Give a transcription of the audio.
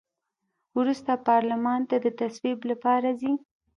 وروسته پارلمان ته د تصویب لپاره ځي.